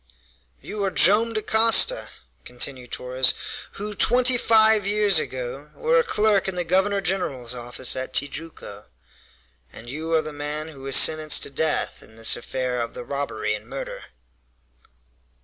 "You are Joam Dacosta," continued Torres, "who, twenty five years ago, were a clerk in the governor general's office at Tijuco, and you are the man who was sentenced to death in this affair of the robbery and murder!"